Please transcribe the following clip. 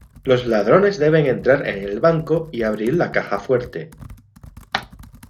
Los ladrones deben entrar en el banco y abrir la caja fuerte.